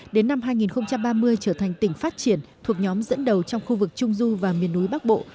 đến năm hai nghìn ba mươi trở thành tỉnh phát triển thuộc nhóm dẫn đầu trong khu vực trung du và miền núi bắc bộ